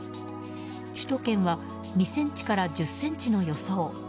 首都圏は２ｃｍから１０ｃｍの予想。